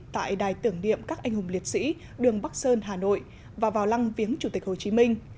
tại đài tưởng niệm các anh hùng liệt sĩ đường bắc sơn hà nội và vào lăng viếng chủ tịch hồ chí minh